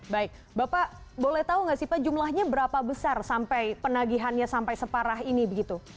baik bapak boleh tahu nggak sih pak jumlahnya berapa besar sampai penagihannya sampai separah ini begitu